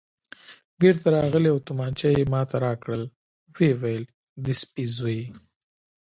بېرته راغلی او تومانچه یې ما ته راکړل، ویې ویل: د سپي زوی.